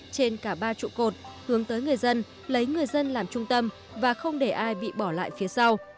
trên cả ba trụ cột hướng tới người dân lấy người dân làm trung tâm và không để ai bị bỏ lại phía sau